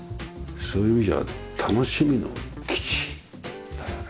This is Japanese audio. そういう意味じゃ楽しみの基地だよね。